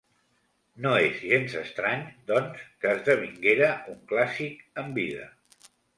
No és gens estrany, doncs, que esdevinguera un clàssic en vida.